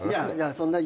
そんなん。